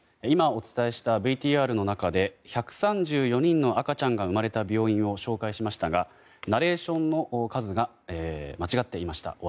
今、お伝えしたＶＴＲの中で１３４人の赤ちゃんが生まれた病院を紹介しましたがナレーションの数が間違っていました。